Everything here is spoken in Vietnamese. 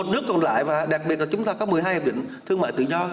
một nước còn lại và đặc biệt là chúng ta có một mươi hai hiệp định thương mại tự do